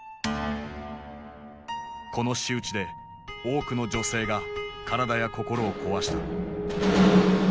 この仕打ちで多くの女性が体や心を壊した。